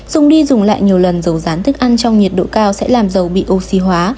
dùng đi dùng lại nhiều lần dầu rán thức ăn trong nhiệt độ cao sẽ làm dầu bị oxy hóa